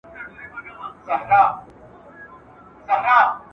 د هر علمي مرکز اصول له بل سره توپیر لري.